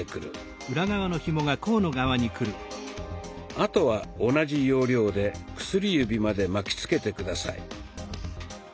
あとは同じ要領で薬指まで巻きつけて下さい。